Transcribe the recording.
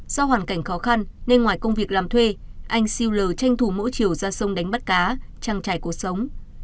do hoàn cảnh khó khăn nên ngoài công việc làm thuê anh siêu lờ tranh thủ mỗi chiều ra sông đánh bắt cá trăng trải cuộc sống